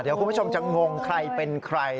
เดี๋ยวคุณผู้ชมจะงงใครเป็นใคร